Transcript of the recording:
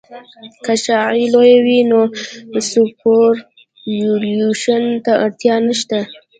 که شعاع لویه وي نو سوپرایلیویشن ته اړتیا نشته